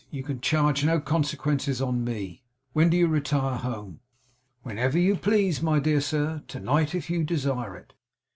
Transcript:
'You can charge no consequences on me. When do you retire home?' 'Whenever you please, my dear sir. To night if you desire it.